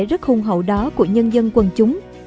rất hùng hậu đó của nhân dân quần chúng